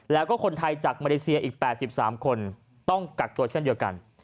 แล้วก็คนไทยจากมาเลเซียอีก๘๓คนต้องกักตัวเช่นเดียวกัน